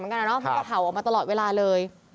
มันคงอึดอัดเหมือนกันนะมันก็เผ่าออกมาตลอดเวลาเลย